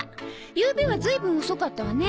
ゆうべはずいぶん遅かったわね。